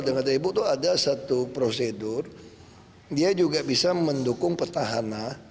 dengan ibu itu ada satu prosedur dia juga bisa mendukung petahana